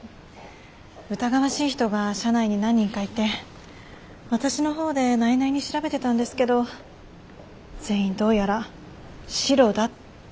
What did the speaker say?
疑わしい人が社内に何人かいて私のほうで内々に調べてたんですけど全員どうやらシロだって分かったんです。